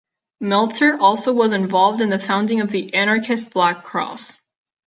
Meltzer also was involved in the founding of the Anarchist Black Cross.